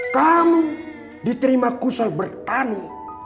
kamu diterima kusoi bertani